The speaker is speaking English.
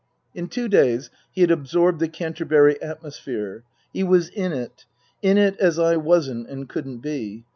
In two days he had absorbed the Canterbury atmosphere. He was in it. In it as I wasn't and couldn't be.